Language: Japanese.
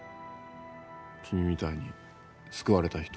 君みたいに救われた人。